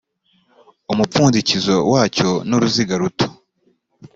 umupfundikizo wacyo nuruziga ruto.